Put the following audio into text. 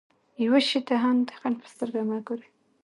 يوه شي ته هم د خنډ په سترګه مه ګورئ.